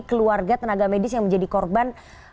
keluarga tenaga medis yang menjadi korban